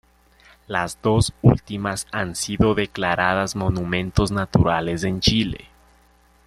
Las dos últimas han sido declaradas monumentos naturales en Chile.